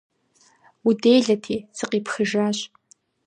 - Уделэти, сыкъипхыжащ.